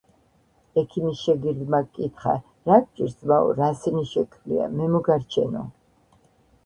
ექიმის შეგირდმა ჰკითხა: რა გჭირს, ძმაო, რა სენი შეგყრია? მე მოგარჩენო.